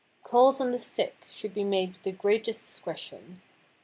Calls on the sick should be made with the greatest discretion.